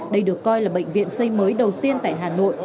đây được coi là bệnh viện xây mới đầu tiên tại hà nội